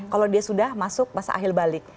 kalau dia sudah masuk masa akhir balik